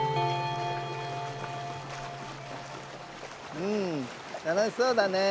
うんたのしそうだね。